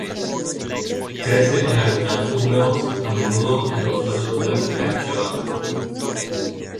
Crece en hábitats húmedos, a menudo en los suelos de un pH básico.